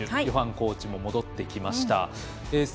ヨハンコーチも戻ってきました。